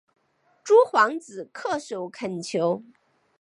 诸皇子叩首恳求。